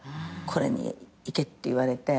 これにいけって言われて。